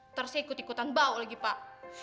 ntar saya ikut ikutan bau lagi pak